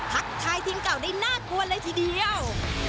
ทักทายทีมเก่าได้น่ากลัวเลยทีเดียว